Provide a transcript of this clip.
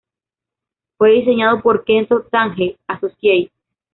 Fue diseñado por Kenzo Tange Associates.